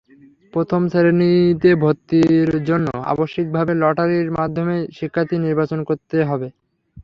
প্রথম শ্রেণিতে ভর্তির জন্য আবশ্যিকভাবে লটারির মাধ্যমে শিক্ষার্থী নির্বাচন করতে হবে।